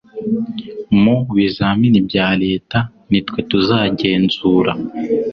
mu bizamini bya leta nitwe tuzagenzura .